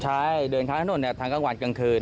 ใช่เดินข้างถนนทางกลางวันกลางคืน